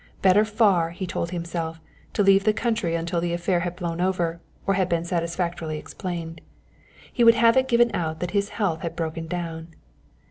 Better far, he told himself, to leave the country until the affair had blown over or had been satisfactorily explained. He would have it given out that his health had broken down.